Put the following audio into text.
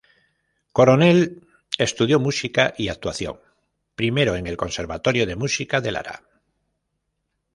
Coronel estudió música y actuación, primero en el "Conservatorio de Música de Lara".